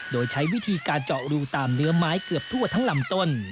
โดยใช้วิธีการเจาะรูตามเนื้อไม้เกือบทั่วทั้งลำต้น